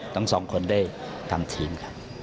ทั้งสองคนได้ทำทีมครับ